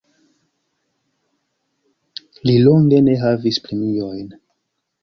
Li longe ne havis premiojn.